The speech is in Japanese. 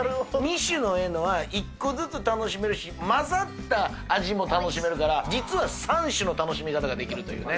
２種のええのは、１個ずつ楽しめるし、混ざった味も楽しめるから、実は３種の楽しみ方ができるというね。